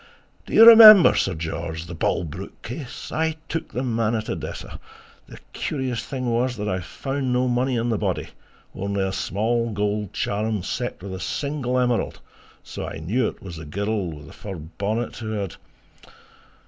"... do you remember, Sir George, the Bolbrook case! I took the man at Odessa...." "... the curious thing was that I found no money on the body, only a small gold charm set with a single emerald, so I knew it was the girl with the fur bonnet who had..."